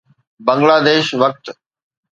بنگلاديش وقت